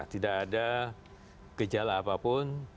tidak ada gejala apapun